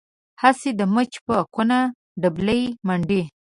هسې د مچ په کونه ډبلی منډي.